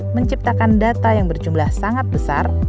menciptakan data yang berjumlah sangat besar